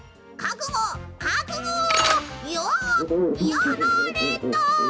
「やられた！」。